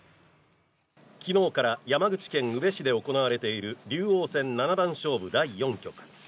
昨日から山口県宇部市で行われている竜王戦七番勝負第４局。